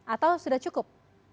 atau sudah cukup